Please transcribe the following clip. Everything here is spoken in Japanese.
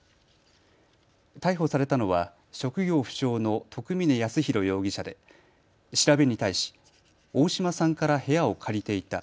逮捕されたのは職業不詳の徳嶺安浩容疑者で調べに対し大嶋さんから部屋を借りていた。